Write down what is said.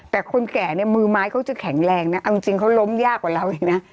แต่คนแก่เนี่ยมือไม้เขาจะแข็งแรงนะเอาจริงเขาล้มยากกว่าเราเองนะ